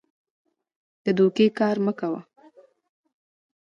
د دوکې کار مه کوه.